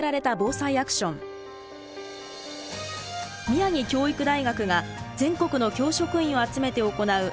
宮城教育大学が全国の教職員を集めて行う３１１